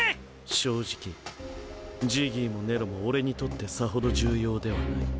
正直ジギーもネロも俺にとってさほど重要ではない。